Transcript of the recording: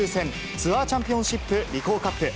ツアーチャンピオンシップリコーカップ。